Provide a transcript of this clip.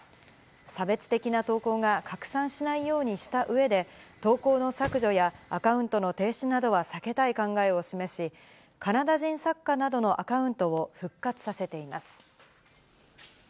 差別的な投稿が拡散しないようにしたうえで、投稿の削除やアカウントの停止などは避けたい考えを示し、カナダ人作家などのアカウントを復活させています。